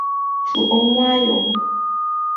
主攻蛙泳。